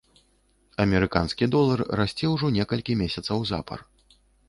Амерыканскі долар расце ўжо некалькі месяцаў запар.